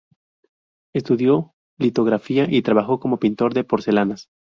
Estudió litografía y trabajó como pintor de porcelanas.